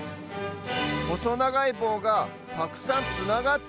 ほそながいぼうがたくさんつながってる？